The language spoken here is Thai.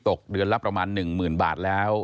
ตกเดือนละประมาณ๑๐๐๐บาทแล้ว